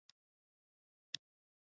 هلمند سیند ډېرې ځمکې خړوبوي.